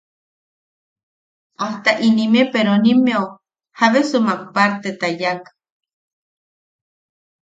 Ajta inime peronimmeu jabesumak parteta yaak.